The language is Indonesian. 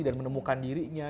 dan menemukan dirinya